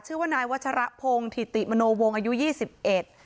ชื่อว่านายวัชรพงศ์ถิติมโนวงอายุยี่สิบเอ็ด